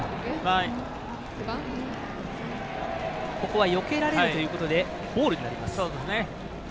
ここはよけられるということでボールになります。